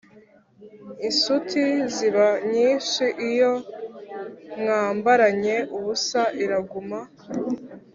Insuti ziba nyinshi, iyo mwambaranye ubusa iraguma.